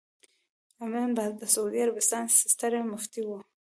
ابن باز د سعودي عربستان ستر مفتي وو